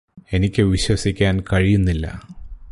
എനിക്ക് വിശ്വസിക്കാൻ കഴിയുന്നില്ല